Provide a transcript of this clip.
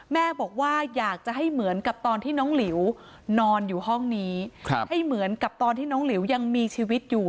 แม่บอกว่าอยากจะให้เหมือนกับตอนที่น้องหลิวนอนอยู่ห้องนี้ให้เหมือนกับตอนที่น้องหลิวยังมีชีวิตอยู่